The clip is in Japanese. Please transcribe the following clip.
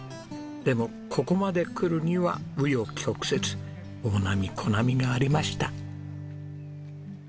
でもここまでくるには紆余曲折大波小波がありました。